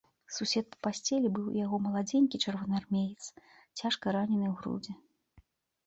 Сусед па пасцелі быў у яго маладзенькі чырвонаармеец, цяжка ранены ў грудзі.